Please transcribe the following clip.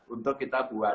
untuk kita buat